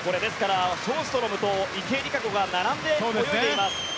ショーストロムと池江璃花子が並んで泳いでいます。